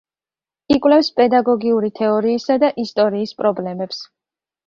იკვლევს პედაგოგიური თეორიისა და ისტორიის პრობლემებს.